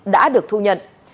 đã được thu nhận